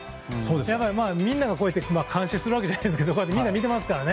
やっぱりみんなが、こうやって監視するわけじゃないですけどみんな見てますからね。